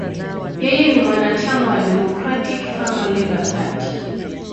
Yeye ni mwanachama wa Democratic–Farmer–Labor Party.